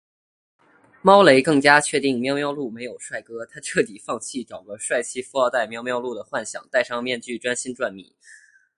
猫雷更加确定喵喵露没有帅哥，她彻底放弃找个帅气富二代喵喵露的幻想，戴上面具专心赚米